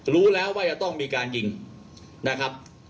รู้แล้วว่าจะต้องมีการยิงนะครับ